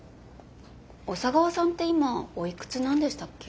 小佐川さんって今おいくつなんでしたっけ？